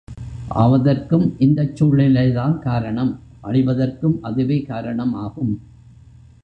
ஆவதற்கும் இந்தச் சூழ்நிலைதான் காரணம் அழிவதற்கும் அதுவே காரணம் ஆகும்.